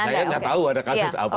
saya nggak tahu ada kasus apa